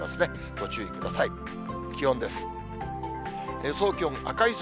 ご注意ください。